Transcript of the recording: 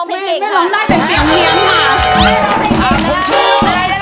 ใช่ดีใจค่ะ